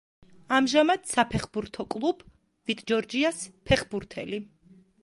ამჟამად საფეხბურთო კლუბ „ვიტ ჯორჯიას“ ფეხბურთელი.